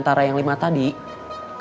saya ada pak